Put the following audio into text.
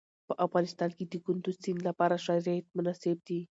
په افغانستان کې د کندز سیند لپاره شرایط مناسب دي.